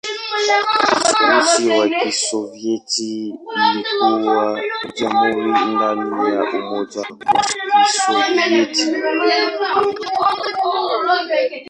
Urusi wa Kisovyeti ulikuwa jamhuri ndani ya Umoja wa Kisovyeti.